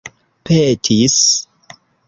petis